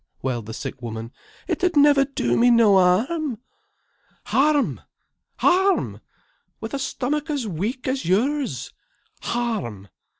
wailed the sick woman. "It ud never do me no harm." "Harm! Harm! With a stomach as weak as yours! Harm!